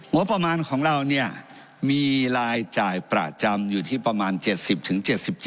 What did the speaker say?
งบประมาณของเราเนี่ยมีรายจ่ายประจำอยู่ที่ประมาณ๗๐๗๗